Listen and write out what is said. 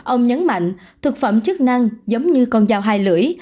ông nhấn mạnh thực phẩm chức năng giống như con dao hai lưỡi